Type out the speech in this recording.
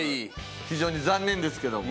非常に残念ですけども。